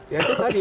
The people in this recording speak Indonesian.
ya itu tadi